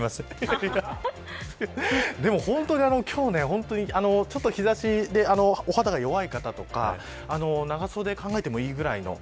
でも、本当に今日はちょっと日差しでお肌が弱い方とか長袖を考えてもいいくらいの。